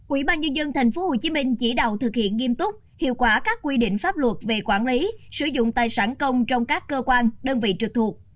ubnd tp hcm chỉ đạo thực hiện nghiêm túc hiệu quả các quy định pháp luật về quản lý sử dụng tài sản công trong các cơ quan đơn vị trực thuộc